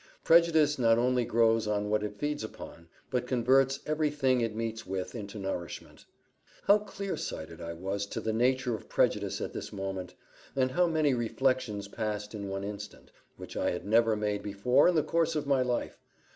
Prejudice not only grows on what it feeds upon, but converts every thing it meets with into nourishment. How clear sighted I was to the nature of prejudice at this moment, and how many reflections passed in one instant, which I had never made before in the course of my life!